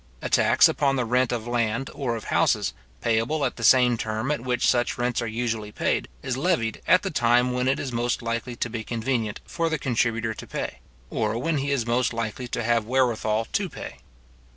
A tax upon the rent of land or of houses, payable at the same term at which such rents are usually paid, is levied at the time when it is most likely to be convenient for the contributor to pay; or when he is most likely to have wherewithall to pay.